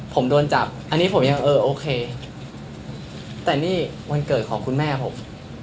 ผมโดนจับอันนี้ผมยังเออโอเคแต่นี่วันเกิดของคุณแม่ผม